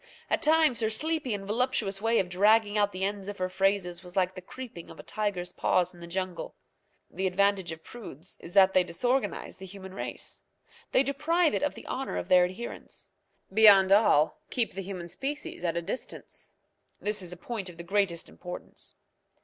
At times her sleepy and voluptuous way of dragging out the end of her phrases was like the creeping of a tiger's paws in the jungle. The advantage of prudes is that they disorganize the human race. They deprive it of the honour of their adherence. Beyond all, keep the human species at a distance. This is a point of the greatest importance.